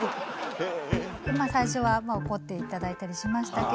最初は怒って頂いたりしましたけど。